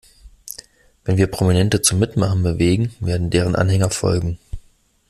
Wenn wir Prominente zum Mitmachen bewegen, werden deren Anhänger folgen.